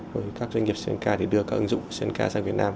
với các doanh nghiệp sri lanka để đưa các ứng dụng sri lanka sang việt nam